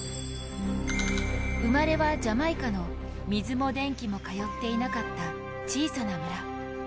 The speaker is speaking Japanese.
生まれはジャマイカの水も電気も通っていなかった小さな村。